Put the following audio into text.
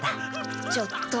ちょっと。